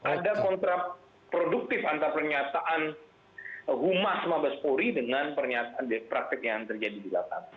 ada kontraproduktif antar pernyataan humas mabaspuri dengan pernyataan praktik yang terjadi di belakang